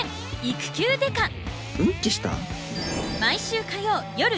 うんちした？